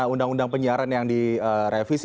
undang undang penyiaran yang direvisi